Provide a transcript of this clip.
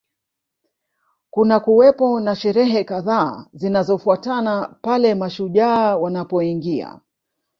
Kunakuwepo na sherehe kadhaa zinazofuatana pale mashujaa wanapoingia